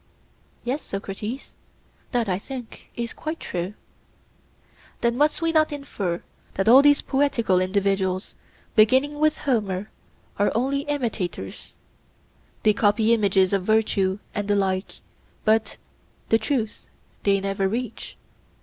Yes, Socrates, that, I think, is quite true. Then must we not infer that all these poetical individuals, beginning with Homer, are only imitators; they copy images of virtue and the like, but the truth they never reach?